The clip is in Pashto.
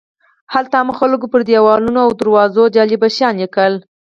هلته هم خلکو پر دیوالونو او دروازو جالب شیان لیکل.